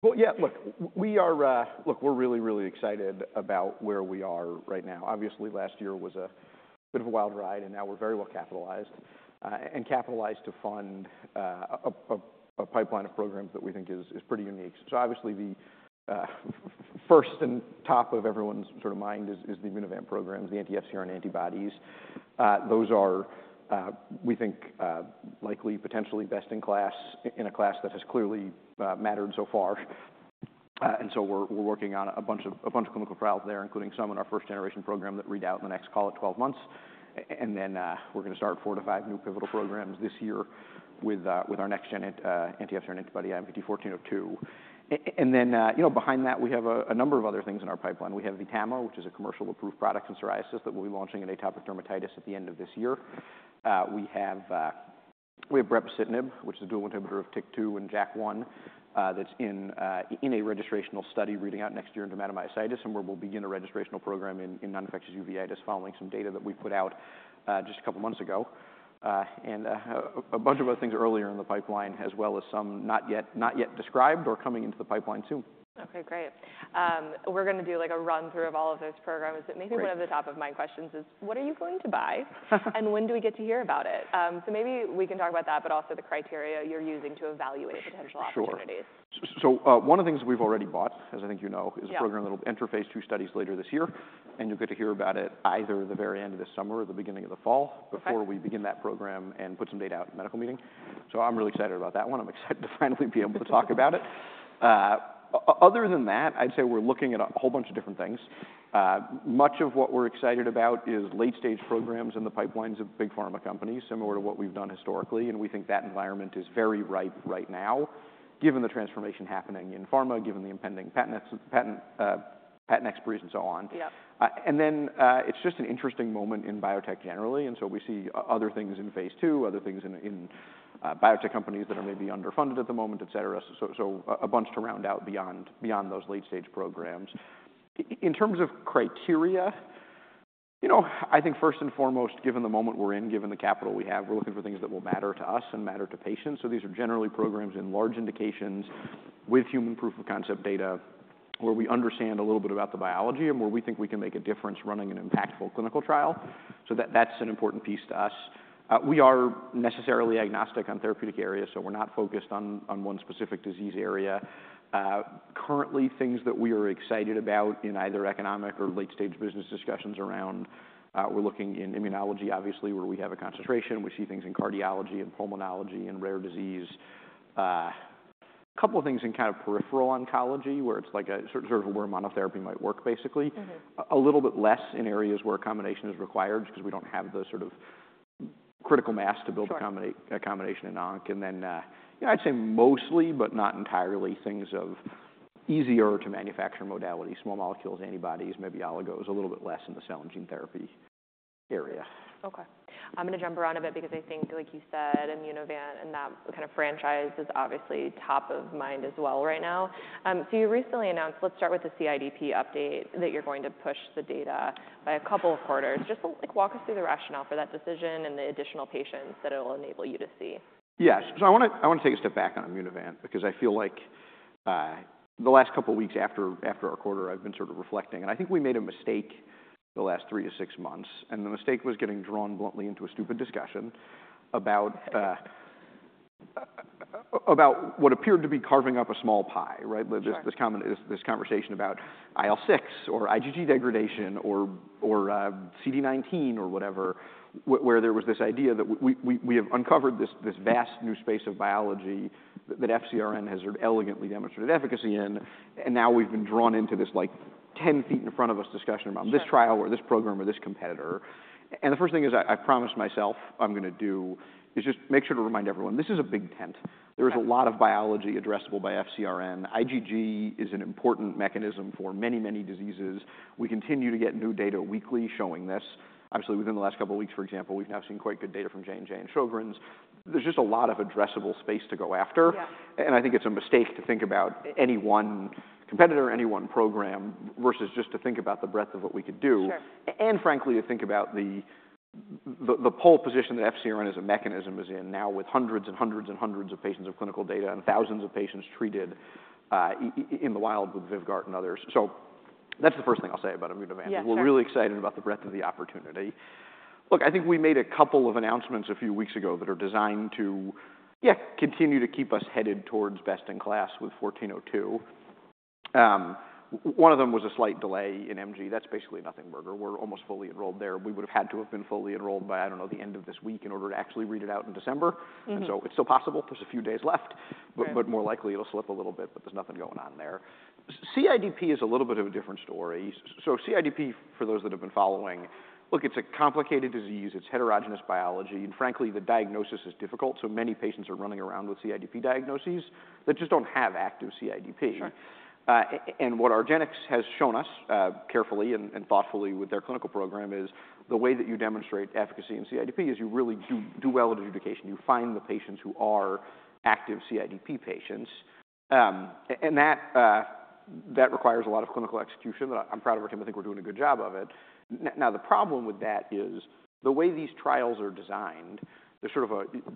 Well, yeah, look, we are, we're really, really excited about where we are right now. Obviously, last year was a bit of a wild ride, and now we're very well capitalized, and capitalized to fund a pipeline of programs that we think is pretty unique. So obviously the first and top of everyone's sort of mind is the Immunovant program, the anti-FcRn antibodies. Those are, we think, likely, potentially best in class in a class that has clearly mattered so far. And so we're working on a bunch of clinical trials there, including some in our first-generation program that read out in the next, call it, 12 months. And then, we're gonna start 4-5 new pivotal programs this year with our next-gen anti-FcRn antibody, IMVT-1402. And then, you know, behind that, we have a number of other things in our pipeline. We have VTAMA, which is a commercially approved product in psoriasis that we'll be launching in atopic dermatitis at the end of this year. We have brepocitinib, which is a dual inhibitor of TYK2 and JAK1, that's in a registrational study reading out next year in dermatomyositis, and where we'll begin a registrational program in non-infectious uveitis following some data that we put out just a couple months ago. And a bunch of other things earlier in the pipeline, as well as some not yet described or coming into the pipeline soon. Okay. Great. We're gonna do, like, a run-through of all of those programs, but maybe one of the top-of-mind questions is, "What are you going to buy, and when do we get to hear about it?" So maybe we can talk about that, but also the criteria you're using to evaluate potential opportunities. Sure. So, one of the things that we've already bought, as I think you know, is a program that'll interface two studies later this year, and you'll get to hear about it either the very end of this summer or the beginning of the fall. Okay. Before we begin that program and put some data out in the medical meeting. So I'm really excited about that one. I'm excited to finally be able to talk about it. Other than that, I'd say we're looking at a whole bunch of different things. Much of what we're excited about is late-stage programs in the pipelines of big pharma companies, similar to what we've done historically, and we think that environment is very ripe right now, given the transformation happening in pharma, given the impending patent expiries, and so on. Yep. And then, it's just an interesting moment in biotech generally, and so we see other things in phase II, other things in biotech companies that are maybe underfunded at the moment, etc. So, a bunch to round out beyond those late-stage programs. In terms of criteria, you know, I think first and foremost, given the moment we're in, given the capital we have, we're looking for things that will matter to us and matter to patients. So these are generally programs in large indications with human proof of concept data where we understand a little bit about the biology and where we think we can make a difference running an impactful clinical trial. So that, that's an important piece to us. We are necessarily agnostic on therapeutic areas, so we're not focused on one specific disease area. Currently, things that we are excited about in either economic or late-stage business discussions around, we're looking in immunology, obviously, where we have a concentration. We see things in cardiology and pulmonology and rare disease. A couple of things in kind of peripheral oncology, where it's like a sort of where monotherapy might work, basically. Mm-hmm. A little bit less in areas where a combination is required, just 'cause we don't have the sort of critical mass to build a combination. Sure. A combination in onc. And then, yeah, I'd say mostly, but not entirely, things of easier-to-manufacture modality, small molecules, antibodies, maybe oligos, a little bit less in the cell and gene therapy area. Okay. I'm gonna jump around a bit because I think, like you said, Immunovant and that kind of franchise is obviously top-of-mind as well right now. So you recently announced, "Let's start with the CIDP update," that you're going to push the data by a couple of quarters. Just, like, walk us through the rationale for that decision and the additional patients that it'll enable you to see. Yes. So I wanna I wanna take a step back on Immunovant because I feel like, the last couple weeks after, after our quarter, I've been sort of reflecting. And I think we made a mistake the last three to six months, and the mistake was getting drawn bluntly into a stupid discussion about, about what appeared to be carving up a small pie, right? Sure. This common conversation about IL-6 or IgG degradation or CD19 or whatever, where there was this idea that we have uncovered this vast new space of biology that FcRn has sort of elegantly demonstrated efficacy in, and now we've been drawn into this, like, 10 feet in front of us discussion around this trial or this program or this competitor. The first thing is I promised myself I'm gonna do is just make sure to remind everyone, this is a big tent. There is a lot of biology addressable by FcRn. IgG is an important mechanism for many, many diseases. We continue to get new data weekly showing this. Obviously, within the last couple weeks, for example, we've now seen quite good data from J&J in Sjögren's. There's just a lot of addressable space to go after. Yeah. I think it's a mistake to think about any one competitor, any one program, versus just to think about the breadth of what we could do. Sure. And frankly, to think about the pole position that FcRn as a mechanism is in now with hundreds and hundreds and hundreds of patients of clinical data and thousands of patients treated, in the wild with VYVGART and others. So that's the first thing I'll say about Immunovant. Yeah. We're really excited about the breadth of the opportunity. Look, I think we made a couple of announcements a few weeks ago that are designed to, yeah, continue to keep us headed towards best in class with 1402. One of them was a slight delay in MG. That's basically nothingburger. We're almost fully enrolled there. We would've had to have been fully enrolled by, I don't know, the end of this week in order to actually read it out in December. Mm-hmm. It's still possible. There's a few days left. Mm-hmm. But more likely, it'll slip a little bit, but there's nothing going on there. CIDP is a little bit of a different story. So CIDP, for those that have been following, look, it's a complicated disease. It's heterogeneous biology. And frankly, the diagnosis is difficult, so many patients are running around with CIDP diagnoses that just don't have active CIDP. Sure. And what argenx has shown us, carefully and thoughtfully with their clinical program, is the way that you demonstrate efficacy in CIDP is you really do well at adjudication. You find the patients who are active CIDP patients. And that requires a lot of clinical execution that I'm proud of our team. I think we're doing a good job of it. Now the problem with that is the way these trials are designed, there's sort of a,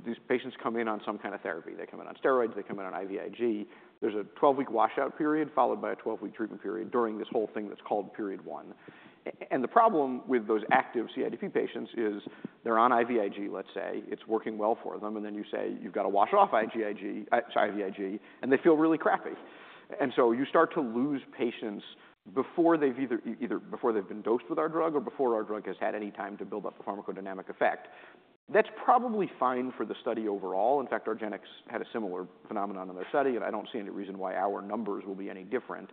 these patients come in on some kind of therapy. They come in on steroids. They come in on IVIG. There's a 12-week washout period followed by a 12-week treatment period during this whole thing that's called period one. And the problem with those active CIDP patients is they're on IVIG, let's say, it's working well for them, and then you say, "You've got to wash off IVIG, sorry, IVIG," and they feel really crappy. So you start to lose patients before they've either been dosed with our drug or before our drug has had any time to build up a pharmacodynamic effect. That's probably fine for the study overall. In fact, our argenx had a similar phenomenon in their study, and I don't see any reason why our numbers will be any different.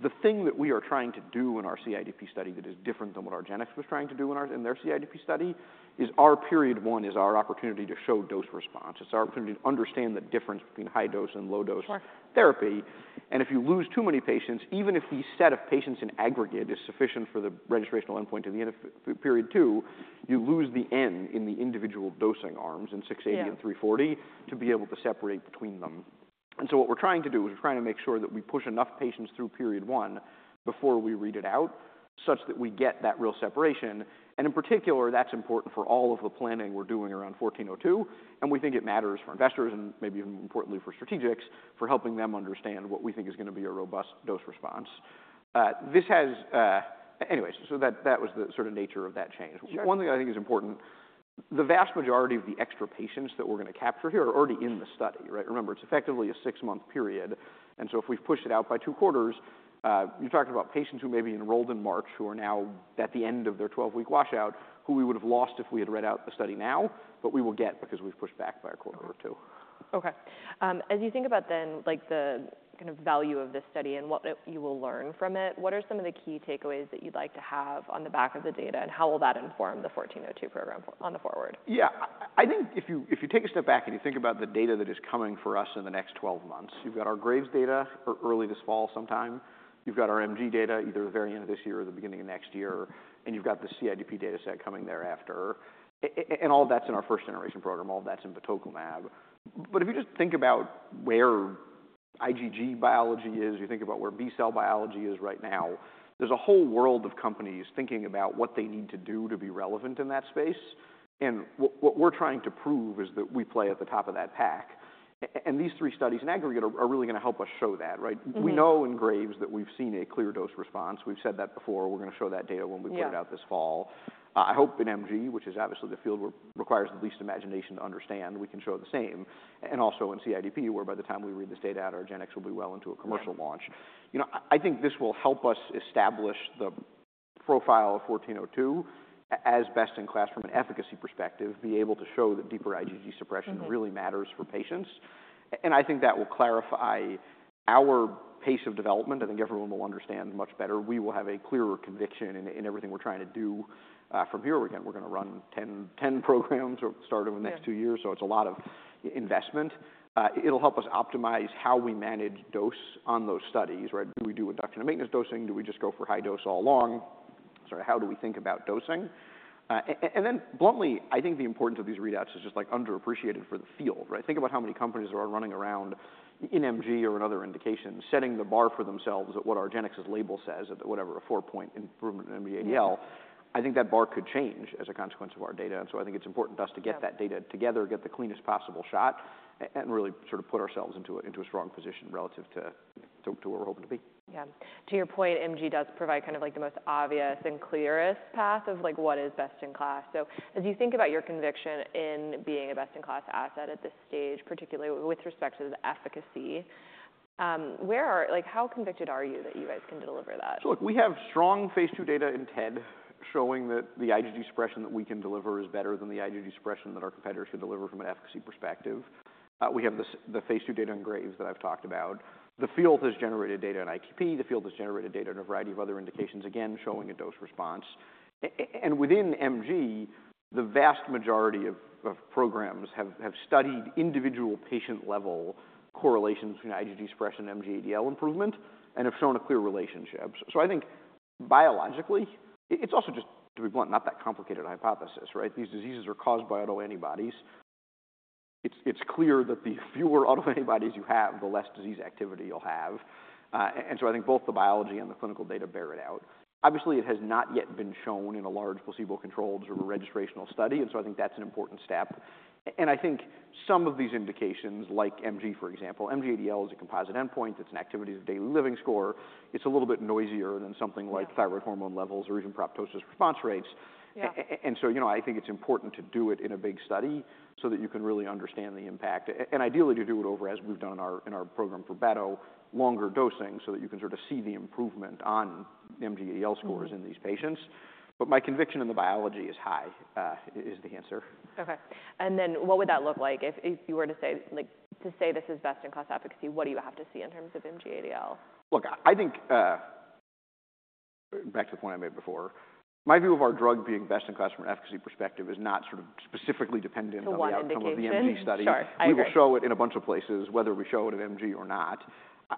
The thing that we are trying to do in our CIDP study that is different than what our argenx was trying to do in their CIDP study is our period I is our opportunity to show dose response. It's our opportunity to understand the difference between high dose and low dose. Sure. Therapy. If you lose too many patients, even if the set of patients in aggregate is sufficient for the registrational endpoint of the interim period II, you lose the end in the individual dosing arms in 680 and 340. Yeah. To be able to separate between them. And so what we're trying to do is we're trying to make sure that we push enough patients through period I before we read it out such that we get that real separation. And in particular, that's important for all of the planning we're doing around 1402, and we think it matters for investors and maybe even importantly for strategics for helping them understand what we think is gonna be a robust dose response. Anyways, so that, that was the sort of nature of that change. Sure. One thing I think is important, the vast majority of the extra patients that we're gonna capture here are already in the study, right? Remember, it's effectively a six-month period, and so if we've pushed it out by two quarters, you're talking about patients who may be enrolled in March who are now at the end of their 12-week washout, who we would've lost if we had read out the study now, but we will get because we've pushed back by a quarter or two. Okay. As you think about then, like, the kind of value of this study and what you will learn from it, what are some of the key takeaways that you'd like to have on the back of the data, and how will that inform the 1402 program for on the forward? Yeah. I think if you take a step back and you think about the data that is coming for us in the next 12 months, you've got our Graves' data early this fall sometime. You've got our MG data either the very end of this year or the beginning of next year, and you've got the CIDP data set coming thereafter. And all that's in our first-generation program. All that's in batoclimab. But if you just think about where IgG biology is, you think about where B-cell biology is right now, there's a whole world of companies thinking about what they need to do to be relevant in that space. And what we're trying to prove is that we play at the top of that pack. And these three studies in aggregate are really gonna help us show that, right? Yeah. We know in Graves that we've seen a clear dose response. We've said that before. We're gonna show that data when we put it out this fall. Yeah. I hope in MG, which is obviously the field where it requires the least imagination to understand, we can show the same. And also in CIDP, where by the time we read this data out, argenix will be well into a commercial launch. Sure. You know, I think this will help us establish the profile of 1402 as best in class from an efficacy perspective, be able to show that deeper IgG suppression really matters for patients. And I think that will clarify our pace of development. I think everyone will understand much better. We will have a clearer conviction in everything we're trying to do from here. We're gonna run 10, 10 programs starting in the next two years. Sure. So it's a lot of investment. It'll help us optimize how we manage dose on those studies, right? Do we do induction and maintenance dosing? Do we just go for high dose all along? Sorry, how do we think about dosing? And then bluntly, I think the importance of these readouts is just, like, underappreciated for the field, right? Think about how many companies that are running around in MG or in other indications setting the bar for themselves at what argenx's label says at the, whatever, a four-point improvement in MG-ADL. Sure. I think that bar could change as a consequence of our data, and so I think it's important to us to get that data together, get the cleanest possible shot, and really sort of put ourselves into a strong position relative to where we're hoping to be. Yeah. To your point, MG does provide kind of, like, the most obvious and clearest path of, like, what is best in class. So as you think about your conviction in being a best-in-class asset at this stage, particularly with respect to the efficacy, where are like, how convicted are you that you guys can deliver that? So look, we have strong phase two data in TED showing that the IgG suppression that we can deliver is better than the IgG suppression that our competitors can deliver from an efficacy perspective. We have the phase two data in Graves' that I've talked about. The field has generated data in ITP. The field has generated data in a variety of other indications, again, showing a dose response. And within MG, the vast majority of programs have studied individual patient-level correlations between IgG suppression and MG ADL improvement and have shown a clear relationship. So I think biologically, it's also just, to be blunt, not that complicated hypothesis, right? These diseases are caused by autoantibodies. It's clear that the fewer autoantibodies you have, the less disease activity you'll have. And so I think both the biology and the clinical data bear it out. Obviously, it has not yet been shown in a large placebo-controlled sort of registrational study, and so I think that's an important step. And I think some of these indications, like MG, for example, MG ADL is a composite endpoint. It's an activity of daily living score. It's a little bit noisier than something like thyroid hormone levels or even proptosis response rates. Yeah. And so, you know, I think it's important to do it in a big study so that you can really understand the impact. And ideally, to do it over, as we've done in our program for batoclimab, longer dosing so that you can sort of see the improvement on MG-ADL scores in these patients. But my conviction in the biology is high, is the answer. Okay. And then what would that look like if, if you were to say, like, to say this is best in class efficacy, what do you have to see in terms of MG-ADL? Look, I think, back to the point I made before, my view of our drug being best in class from an efficacy perspective is not sort of specifically dependent on the. What indications? Some of the MG studies. Sure. I think. We will show it in a bunch of places, whether we show it in MG or not.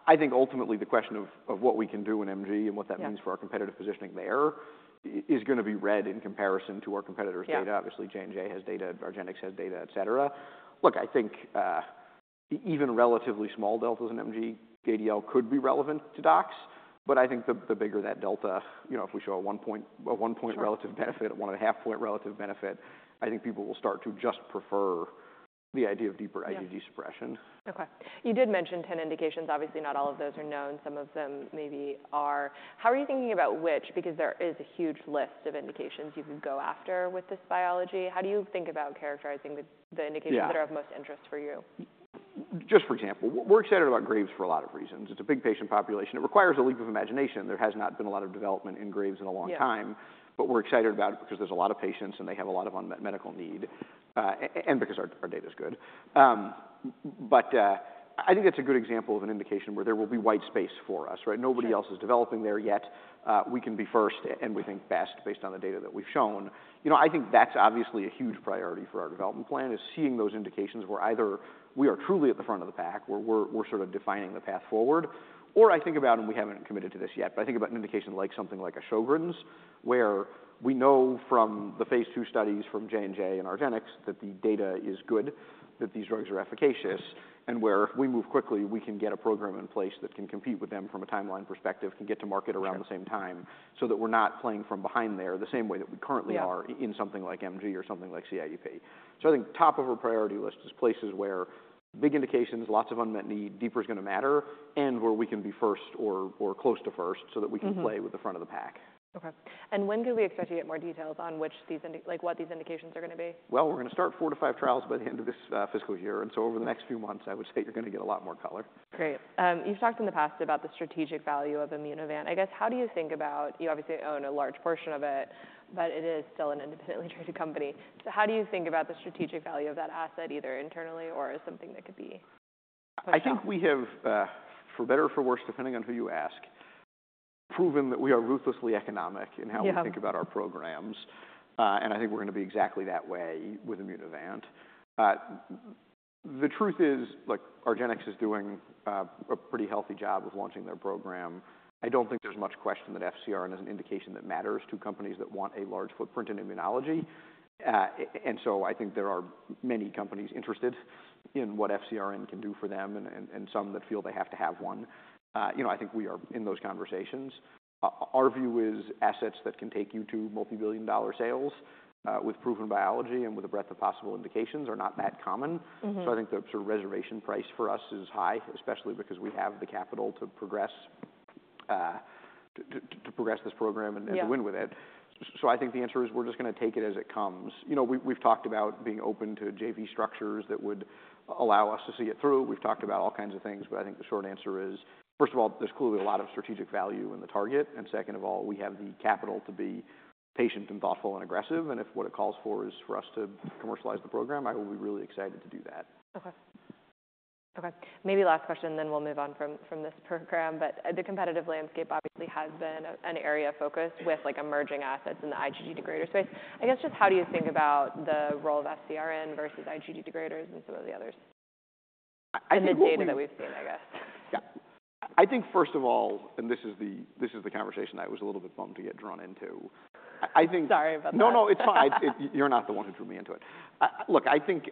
I think ultimately, the question of what we can do in MG and what that means for our competitive positioning there is gonna be read in comparison to our competitor's data. Yeah. Obviously, J&J has data. argenx has data, etc. Look, I think, even relatively small deltas in MG ADL could be relevant to docs, but I think the bigger that delta, you know, if we show a 1-point, a 1-point relative benefit, 1.5-point relative benefit, I think people will start to just prefer the idea of deeper IgG suppression. Sure. Okay. You did mention 10 indications. Obviously, not all of those are known. Some of them maybe are. How are you thinking about which? Because there is a huge list of indications you could go after with this biology. How do you think about characterizing the indications that are of most interest for you? Just for example, we're excited about Graves for a lot of reasons. It's a big patient population. It requires a leap of imagination. There has not been a lot of development in Graves in a long time. Yeah. We're excited about it because there's a lot of patients, and they have a lot of unmet medical need, and because our data's good. I think that's a good example of an indication where there will be white space for us, right? Yeah. Nobody else is developing there yet. We can be first and we think best based on the data that we've shown. You know, I think that's obviously a huge priority for our development plan is seeing those indications where either we are truly at the front of the pack, where we're sort of defining the path forward, or I think about, and we haven't committed to this yet, but I think about an indication like something like a Sjögren's where we know from the phase two studies from J&J and argenx that the data is good, that these drugs are efficacious, and where if we move quickly, we can get a program in place that can compete with them from a timeline perspective, can get to market around the same time. Sure. So that we're not playing from behind there the same way that we currently are. Yeah. In something like MG or something like CIDP. So I think top of our priority list is places where big indications, lots of unmet need, deeper's gonna matter, and where we can be first or, or close to first so that we can play. Yeah. With the front of the pack. Okay. And when can we expect to get more details on what these indications are gonna be? Well, we're gonna start 4-5 trials by the end of this fiscal year. And so over the next few months, I would say you're gonna get a lot more color. Great. You've talked in the past about the strategic value of Immunovant. I guess, how do you think about it? You obviously own a large portion of it, but it is still an independently traded company. So how do you think about the strategic value of that asset, either internally or as something that could be pushed out? I think we have, for better or for worse, depending on who you ask, proven that we are ruthlessly economic in how we think about our programs. Yeah. I think we're gonna be exactly that way with Immunovant. The truth is, look, argenx is doing a pretty healthy job of launching their program. I don't think there's much question that FcRn is an indication that matters to companies that want a large footprint in immunology. And so I think there are many companies interested in what FcRn can do for them and some that feel they have to have one. You know, I think we are in those conversations. Our view is assets that can take you to multi-billion dollar sales, with proven biology and with a breadth of possible indications are not that common. Mm-hmm. So I think the sort of reservation price for us is high, especially because we have the capital to progress this program and. Yeah. Win with it. So I think the answer is we're just gonna take it as it comes. You know, we've talked about being open to JV structures that would allow us to see it through. We've talked about all kinds of things, but I think the short answer is, first of all, there's clearly a lot of strategic value in the target, and second of all, we have the capital to be patient and thoughtful and aggressive. And if what it calls for is for us to commercialize the program, I will be really excited to do that. Okay. Okay. Maybe last question, then we'll move on from, from this program. But, the competitive landscape obviously has been an area of focus with, like, emerging assets in the IgG degraders space. I guess, just how do you think about the role of FcRn versus IgG degraders and some of the others? I think. The data that we've seen, I guess. Yeah. I think, first of all, and this is the, this is the conversation that I was a little bit bummed to get drawn into. I, I think. Sorry about that. No, no. It's fine. I get you're not the one who drew me into it. Look, I think,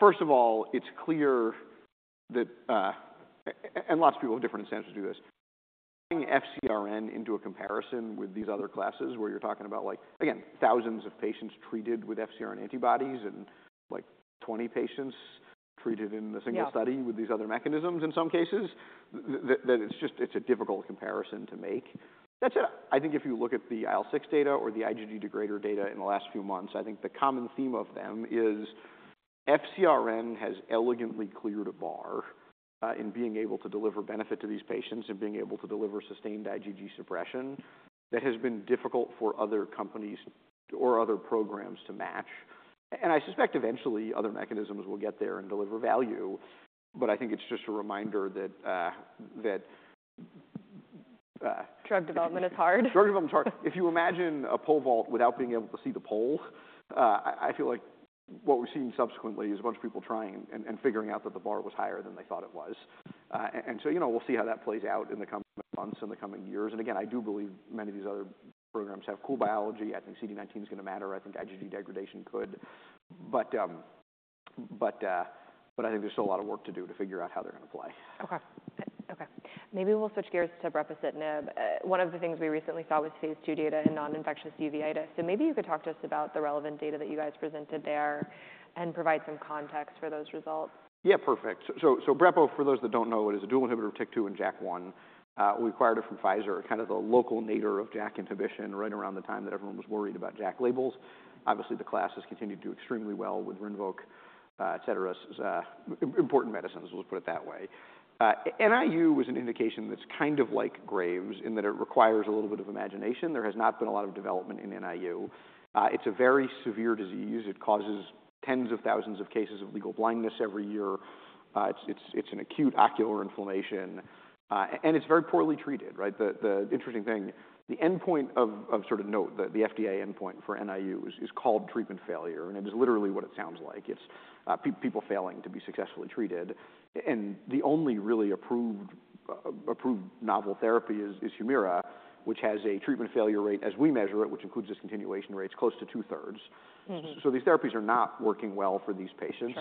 first of all, it's clear that, and lots of people have different incentives to do this. Putting FcRn into a comparison with these other classes where you're talking about, like, again, thousands of patients treated with FcRn antibodies and, like, 20 patients treated in a single study. Yeah. With these other mechanisms in some cases, that it's just, it's a difficult comparison to make. That said, I think if you look at the IL-6 data or the IgG degrader data in the last few months, I think the common theme of them is FcRn has elegantly cleared a bar, in being able to deliver benefit to these patients and being able to deliver sustained IgG suppression that has been difficult for other companies or other programs to match. And I suspect eventually other mechanisms will get there and deliver value, but I think it's just a reminder that, Drug development is hard. Drug development's hard. If you imagine a pole vault without being able to see the pole, I feel like what we've seen subsequently is a bunch of people trying and figuring out that the bar was higher than they thought it was. And so, you know, we'll see how that plays out in the coming months and the coming years. And again, I do believe many of these other programs have cool biology. I think CD19's gonna matter. I think IgG degradation could. But I think there's still a lot of work to do to figure out how they're gonna play. Okay. A-okay. Maybe we'll switch gears to brepocitinib. One of the things we recently saw was phase 2 data in non-infectious uveitis. So maybe you could talk to us about the relevant data that you guys presented there and provide some context for those results. Yeah. Perfect. So brepo, for those that don't know, it is a dual inhibitor of TYK2 and JAK1. We acquired it from Pfizer. Kind of the local nadir of JAK inhibition right around the time that everyone was worried about JAK labels. Obviously, the class has continued to do extremely well with Rinvoq, etc., so important medicines, let's put it that way. NIU was an indication that's kind of like Graves in that it requires a little bit of imagination. There has not been a lot of development in NIU. It's a very severe disease. It causes tens of thousands of cases of legal blindness every year. It's an acute ocular inflammation. And it's very poorly treated, right? The interesting thing, the endpoint of sort of note, the FDA endpoint for NIU is called treatment failure, and it is literally what it sounds like. It's people failing to be successfully treated. And the only really approved novel therapy is Humira, which has a treatment failure rate, as we measure it, which includes discontinuation rates, close to 2/3. Mm-hmm. So these therapies are not working well for these patients.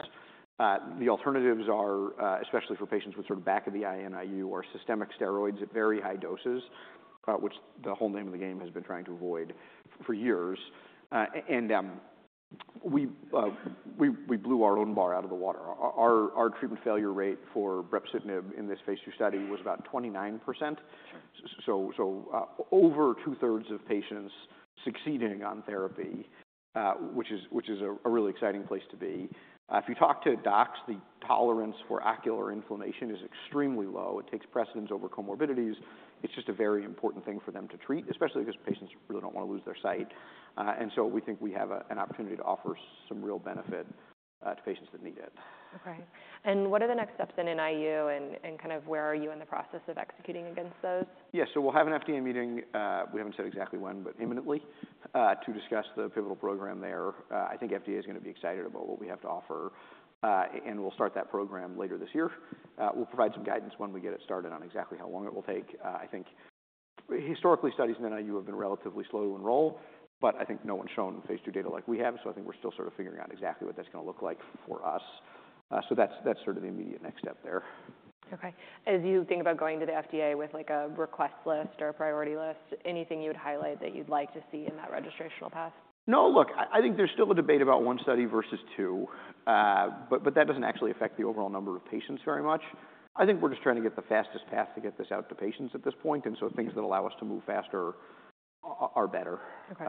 Sure. The alternatives are, especially for patients with sort of back of the eye NIU or systemic steroids at very high doses, which the whole name of the game has been trying to avoid for years. And we blew our own bar out of the water. Our treatment failure rate for brepocitinib in this phase II study was about 29%. Sure. So, over 2/3 of patients succeeding on therapy, which is a really exciting place to be. If you talk to docs, the tolerance for ocular inflammation is extremely low. It takes precedence over comorbidities. It's just a very important thing for them to treat, especially because patients really don't wanna lose their sight. And so we think we have an opportunity to offer some real benefit to patients that need it. Okay. And what are the next steps in NIU and kind of where are you in the process of executing against those? Yeah. So we'll have an FDA meeting. We haven't said exactly when, but imminently, to discuss the pivotal program there. I think FDA's gonna be excited about what we have to offer, and we'll start that program later this year. We'll provide some guidance when we get it started on exactly how long it will take. I think, historically, studies in NIU have been relatively slow to enroll, but I think no one's shown phase two data like we have. So I think we're still sort of figuring out exactly what that's gonna look like for us. So that's, that's sort of the immediate next step there. Okay. As you think about going to the FDA with, like, a request list or a priority list, anything you would highlight that you'd like to see in that registrational path? No. Look, I think there's still a debate about one study versus two. But that doesn't actually affect the overall number of patients very much. I think we're just trying to get the fastest path to get this out to patients at this point. And so things that allow us to move faster are better. Okay.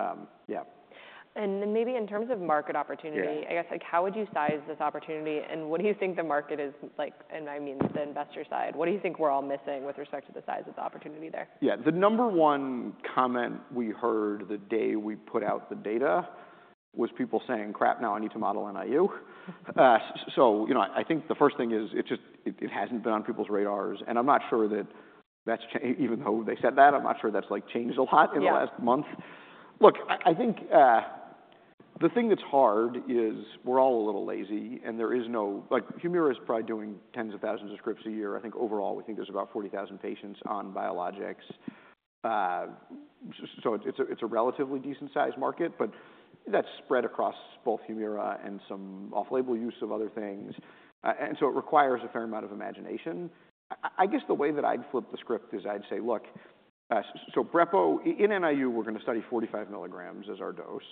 yeah. Then maybe in terms of market opportunity. Yeah. I guess, like, how would you size this opportunity? And what do you think the market is like, and I mean the investor side, what do you think we're all missing with respect to the size of the opportunity there? Yeah. The number one comment we heard the day we put out the data was people saying, "Crap, now I need to model NIU." So, you know, I think the first thing is it just hasn't been on people's radars. And I'm not sure that's changed even though they said that, I'm not sure that's, like, changed a lot in the last month. Yeah. Look, I think the thing that's hard is we're all a little lazy, and there is no like, Humira's probably doing tens of thousands of scripts a year. I think overall, we think there's about 40,000 patients on biologics. So it's a relatively decent-sized market, but that's spread across both Humira and some off-label use of other things. So it requires a fair amount of imagination. I guess the way that I'd flip the script is I'd say, "Look, so brepo, in NIU, we're gonna study 45 mg as our dose.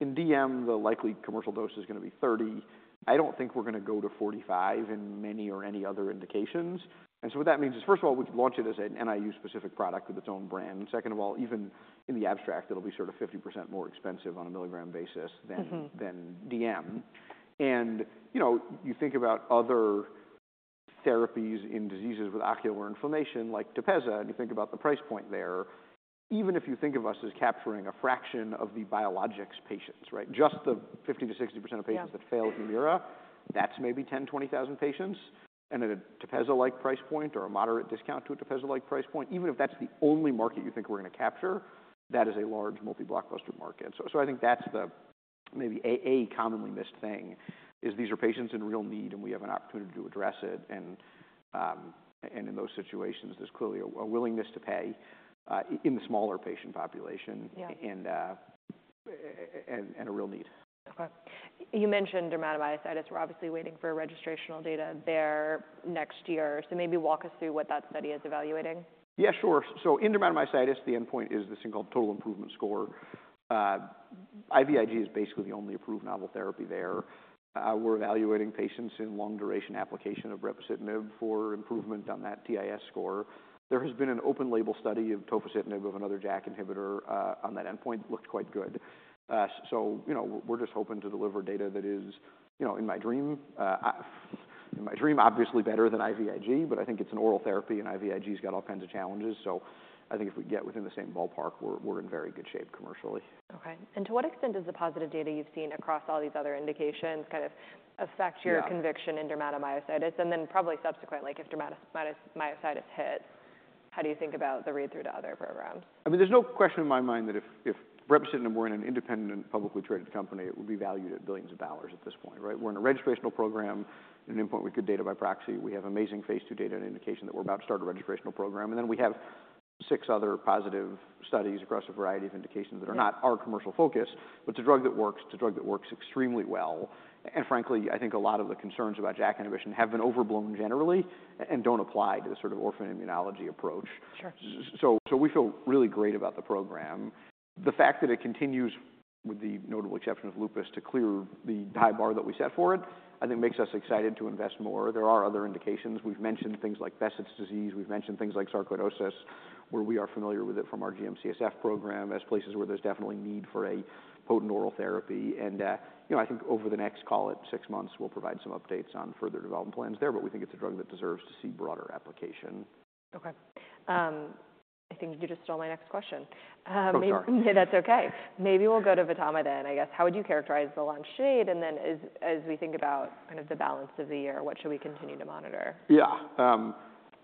In DM, the likely commercial dose is gonna be 30. I don't think we're gonna go to 45 in many or any other indications." So what that means is, first of all, we could launch it as an NIU-specific product with its own brand. Second of all, even in the abstract, it'll be sort of 50% more expensive on a milligram basis than. Mm-hmm. Than DM. And, you know, you think about other therapies in diseases with ocular inflammation like Tepezza, and you think about the price point there. Even if you think of us as capturing a fraction of the biologics patients, right? Just the 50%-60% of patients that fail Humira, that's maybe 10,000-20,000 patients. And at a Tepezza-like price point or a moderate discount to a Tepezza-like price point, even if that's the only market you think we're gonna capture, that is a large multi-blockbuster market. So I think that's the maybe a commonly missed thing is these are patients in real need, and we have an opportunity to address it. And in those situations, there's clearly a willingness to pay in the smaller patient population. Yeah. And, and a real need. Okay. You mentioned dermatomyositis. We're obviously waiting for registrational data there next year. So maybe walk us through what that study is evaluating? Yeah. Sure. So in dermatomyositis, the endpoint is this thing called total improvement score. IVIG is basically the only approved novel therapy there. We're evaluating patients in long-duration application of brepocitinib for improvement on that TIS score. There has been an open-label study of tofacitinib of another JAK inhibitor, on that endpoint. It looked quite good. So, you know, we're just hoping to deliver data that is, you know, in my dream, in my dream, obviously better than IVIG, but I think it's an oral therapy, and IVIG's got all kinds of challenges. So I think if we get within the same ballpark, we're, we're in very good shape commercially. Okay. And to what extent does the positive data you've seen across all these other indications kind of affect your conviction in dermatomyositis? And then probably subsequently, like, if dermatomyositis hits, how do you think about the read-through to other programs? I mean, there's no question in my mind that if, if brepocitinib were in an independent, publicly traded company, it would be valued at $ billions at this point, right? We're in a registrational program. In an endpoint, we get data by proxy. We have amazing phase II data and indication that we're about to start a registrational program. And then we have six other positive studies across a variety of indications that are not our commercial focus, but it's a drug that works. It's a drug that works extremely well. And frankly, I think a lot of the concerns about JAK inhibition have been overblown generally and don't apply to the sort of orphan immunology approach. Sure. So we feel really great about the program. The fact that it continues, with the notable exception of lupus, to clear the high bar that we set for it, I think makes us excited to invest more. There are other indications. We've mentioned things like Behçet's disease. We've mentioned things like sarcoidosis, where we are familiar with it from our GM-CSF program as places where there's definitely need for a potent oral therapy. And, you know, I think over the next, call it, six months, we'll provide some updates on further development plans there, but we think it's a drug that deserves to see broader application. Okay. I think you just stole my next question, maybe. I'm sorry. Yeah. That's okay. Maybe we'll go to VTAMA then. I guess, how would you characterize the launch date? And then as we think about kind of the balance of the year, what should we continue to monitor? Yeah.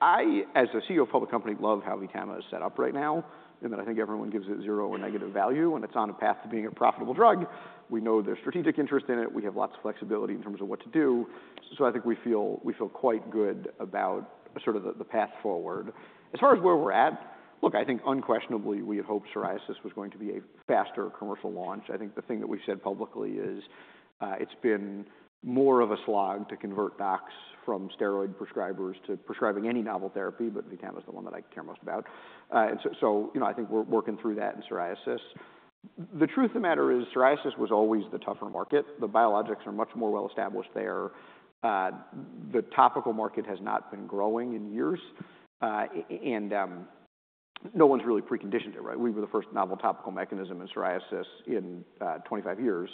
I, as a CEO of a public company, love how VTAMA is set up right now in that I think everyone gives it zero or negative value. When it's on a path to being a profitable drug, we know there's strategic interest in it. We have lots of flexibility in terms of what to do. So I think we feel quite good about sort of the path forward. As far as where we're at, look, I think unquestionably we had hoped psoriasis was going to be a faster commercial launch. I think the thing that we've said publicly is, it's been more of a slog to convert docs from steroid prescribers to prescribing any novel therapy, but VTAMA's the one that I care most about. And so, you know, I think we're working through that in psoriasis. The truth of the matter is psoriasis was always the tougher market. The biologics are much more well-established there. The topical market has not been growing in years. And, no one's really preconditioned it, right? We were the first novel topical mechanism in psoriasis in 25 years.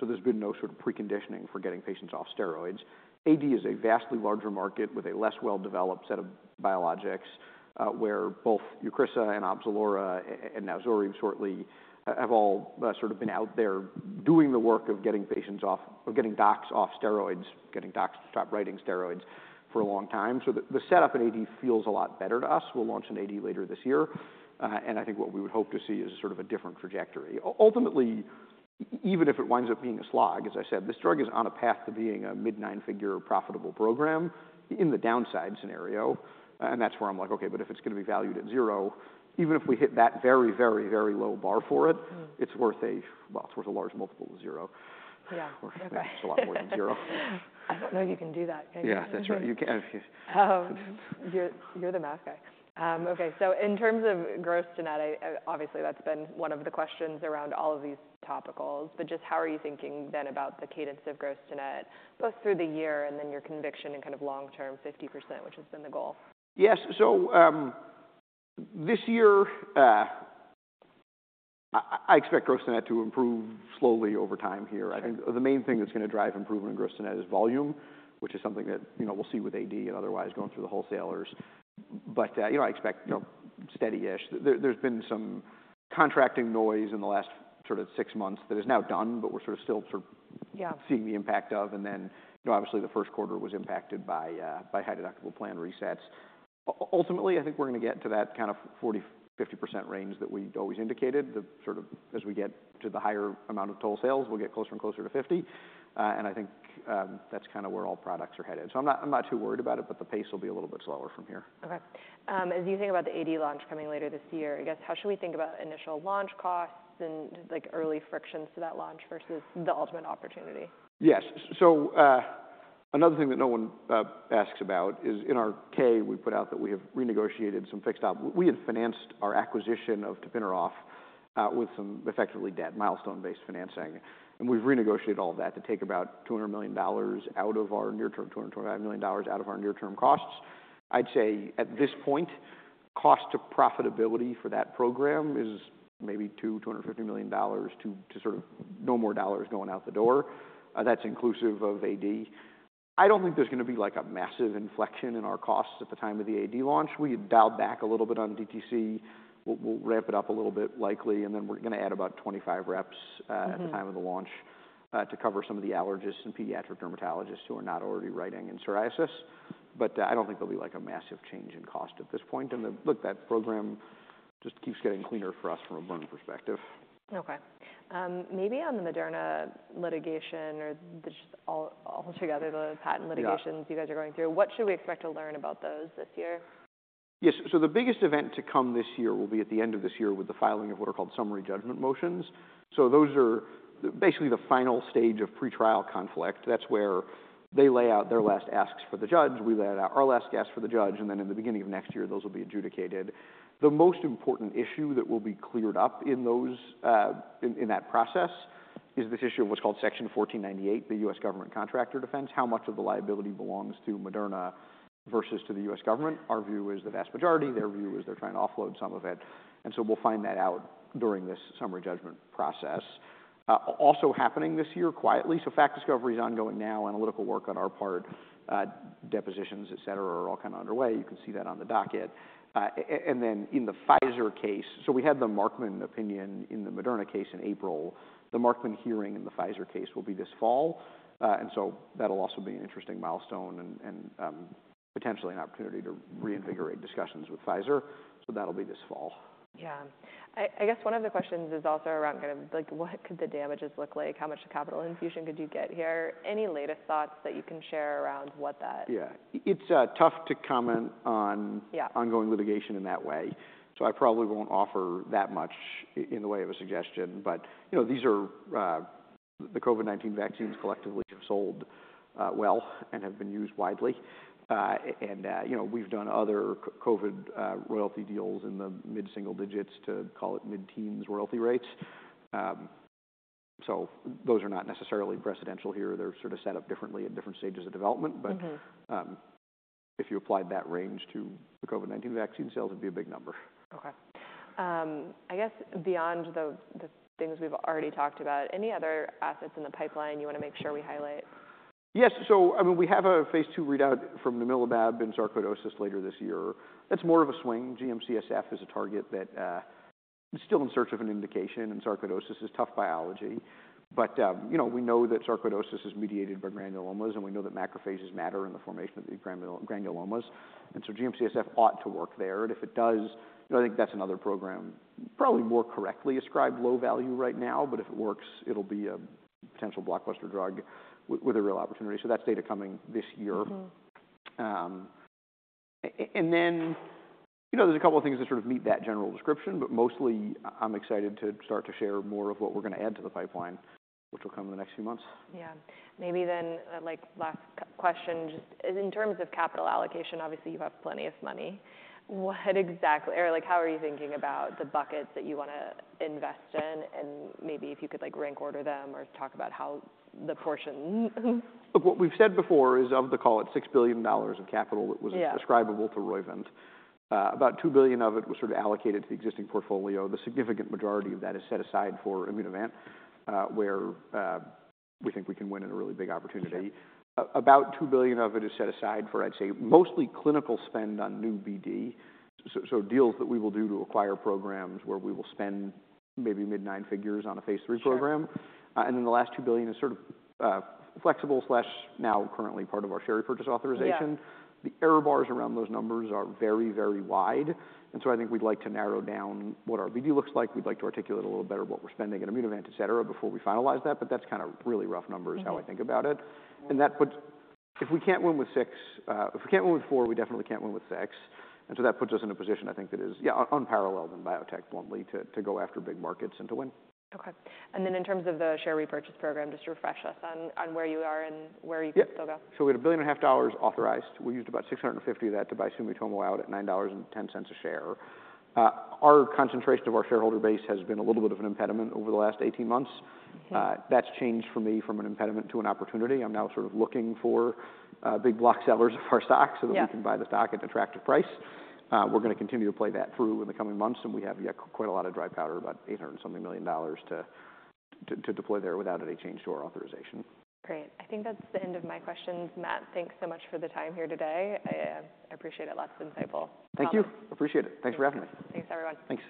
So there's been no sort of preconditioning for getting patients off steroids. AD is a vastly larger market with a less well-developed set of biologics, where both Eucrisa and Opzelura and now Zoryve shortly have all sort of been out there doing the work of getting patients off or getting docs off steroids, getting docs to stop writing steroids for a long time. So the setup in AD feels a lot better to us. We'll launch an AD later this year, and I think what we would hope to see is sort of a different trajectory. Ultimately, even if it winds up being a slog, as I said, this drug is on a path to being a mid-nine-figure profitable program in the downside scenario. And that's where I'm like, "Okay. But if it's gonna be valued at zero, even if we hit that very, very, very low bar for it, it's worth a, well, it's worth a large multiple of zero. Yeah. Okay. Or it's a lot more than zero. I don't know if you can do that. Yeah. That's right. You can't. Oh. You're the math guy. Okay. So in terms of gross-to-net, I obviously that's been one of the questions around all of these topicals, but just how are you thinking then about the cadence of gross-to-net, both through the year and then your conviction in kind of long-term 50%, which has been the goal? Yeah. So this year, I expect gross-to-net to improve slowly over time here. I think the main thing that's gonna drive improvement in gross-to-net is volume, which is something that, you know, we'll see with AD and otherwise going through the wholesalers. But, you know, I expect, you know, steady-ish. There, there's been some contracting noise in the last sort of six months that is now done, but we're sort of still sort of. Yeah. Seeing the impact of. And then, you know, obviously the first quarter was impacted by high-deductible plan resets. Ultimately, I think we're gonna get to that kind of 40%-50% range that we always indicated. And sort of as we get to the higher amount of total sales, we'll get closer and closer to 50%. And I think that's kinda where all products are headed. So I'm not too worried about it, but the pace will be a little bit slower from here. Okay. As you think about the AD launch coming later this year, I guess, how should we think about initial launch costs and, like, early frictions to that launch versus the ultimate opportunity? Yes. So another thing that no one asks about is in our K, we put out that we have renegotiated some fixed OpEx. We had financed our acquisition of tapinarof with some effectively debt milestone-based financing. And we've renegotiated all of that to take about $200 million out of our near-term, $225 million out of our near-term costs. I'd say at this point, cost to profitability for that program is maybe $225 million to sort of no more dollars going out the door. That's inclusive of AD. I don't think there's gonna be, like, a massive inflection in our costs at the time of the AD launch. We had dialed back a little bit on DTC. We'll ramp it up a little bit likely. And then we're gonna add about 25 reps at the time of the launch to cover some of the allergists and pediatric dermatologists who are not already writing in psoriasis. But I don't think there'll be, like, a massive change in cost at this point. And the look, that program just keeps getting cleaner for us from a burn perspective. Okay. Maybe on the Moderna litigation or just altogether the patent litigations. Yeah. You guys are going through, what should we expect to learn about those this year? Yeah. So the biggest event to come this year will be at the end of this year with the filing of what are called summary judgment motions. So those are basically the final stage of pretrial conflict. That's where they lay out their last asks for the judge. We lay out our last ask for the judge. And then in the beginning of next year, those will be adjudicated. The most important issue that will be cleared up in those, in that process is this issue of what's called Section 1498, the U.S. government contractor defense. How much of the liability belongs to Moderna versus to the U.S. government? Our view is the vast majority. Their view is they're trying to offload some of it. And so we'll find that out during this summary judgment process. Also, happening this year quietly. So fact discovery's ongoing now. Analytical work on our part, depositions, etc., are all kinda underway. You can see that on the docket. And then in the Pfizer case, so we had the Markman opinion in the Moderna case in April. The Markman hearing in the Pfizer case will be this fall. And so that'll be an interesting milestone and, and, potentially an opportunity to reinvigorate discussions with Pfizer. So that'll be this fall. Yeah. I guess one of the questions is also around kind of, like, what could the damages look like? How much capital infusion could you get here? Any latest thoughts that you can share around what that? Yeah. It's tough to comment on. Yeah. Ongoing litigation in that way. So I probably won't offer that much in the way of a suggestion. But, you know, these are, the COVID-19 vaccines collectively have sold well and have been used widely. And, you know, we've done other COVID royalty deals in the mid-single digits to call it mid-teens royalty rates. So those are not necessarily precedential here. They're sort of set up differently at different stages of development. But. Mm-hmm. If you applied that range to the COVID-19 vaccine sales, it'd be a big number. Okay. I guess beyond the things we've already talked about, any other assets in the pipeline you wanna make sure we highlight? Yes. So, I mean, we have a phase II readout from namilumab in sarcoidosis later this year. That's more of a swing. GM-CSF is a target that is still in search of an indication. And sarcoidosis is tough biology. But, you know, we know that sarcoidosis is mediated by granulomas, and we know that macrophages matter in the formation of the granulomas. And so GM-CSF ought to work there. And if it does, you know, I think that's another program probably more correctly ascribed low value right now. But if it works, it'll be a potential blockbuster drug with, with a real opportunity. So that's data coming this year. Mm-hmm. And then, you know, there's a couple of things that sort of meet that general description, but mostly I'm excited to start to share more of what we're gonna add to the pipeline, which will come in the next few months. Yeah. Maybe then, like, last question, just in terms of capital allocation, obviously you have plenty of money. What exactly or, like, how are you thinking about the buckets that you wanna invest in? And maybe if you could, like, rank order them or talk about how the portions. Look, what we've said before is of the, call it, $6 billion of capital that was. Yeah. Prescribable to Roivant. About $2 billion of it was sort of allocated to the existing portfolio. The significant majority of that is set aside for Immunovant, where we think we can win a really big opportunity. Okay. About $2 billion of it is set aside for, I'd say, mostly clinical spend on new BD. So deals that we will do to acquire programs where we will spend maybe mid-nine figures on a phase III program. Sure. and then the last $2 billion is sort of, flexible now currently part of our share repurchase authorization. Yeah. The error bars around those numbers are very, very wide. And so I think we'd like to narrow down what our BD looks like. We'd like to articulate a little better what we're spending in Immunovant, etc., before we finalize that. But that's kinda really rough numbers. Yeah. How I think about it. And that puts if we can't win with six, if we can't win with four, we definitely can't win with six. And so that puts us in a position I think that is, yeah, unparalleled in biotech bluntly to go after big markets and to win. Okay. And then in terms of the share repurchase program, just refresh us on, on where you are and where you could still go? Yeah. So we had $1.5 billion authorized. We used about $650 million of that to buy Sumitomo out at $9.10 a share. Our concentration of our shareholder base has been a little bit of an impediment over the last 18 months. Mm-hmm. That's changed for me from an impediment to an opportunity. I'm now sort of looking for big block sellers of our stock. Yeah. So that we can buy the stock at an attractive price. We're gonna continue to play that through in the coming months. And we have yet quite a lot of dry powder, about $800 and something million to deploy there without any change to our authorization. Great. I think that's the end of my questions. Matt, thanks so much for the time here today. I appreciate it. Lots of insightful. Thank you. Appreciate it. Thanks for having me. Thanks, everyone. Thanks.